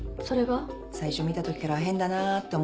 最初見たときから変だなって思ってたの。